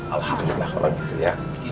alhamdulillah kalau gitu ya